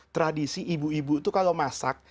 tradisi ibu ibu itu kalau masak